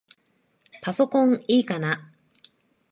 パソコンいいかな？